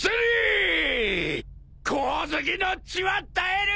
光月の血は絶える！